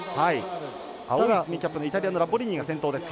青いスイミングキャップのイタリアのラッボリーニが先頭です。